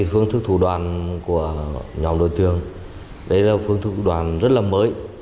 phương thức thủ đoàn của nhóm đối tượng đây là phương thức thủ đoàn rất là mới